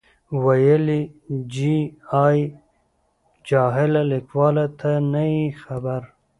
ویې ویل، چې آی جاهله کلیواله ته نه یې خبر.